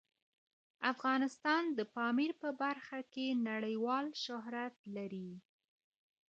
افغانستان د پامیر په برخه کې نړیوال شهرت لري.